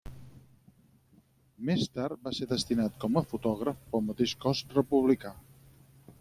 Més tard va ser destinat com a fotògraf pel mateix cos republicà.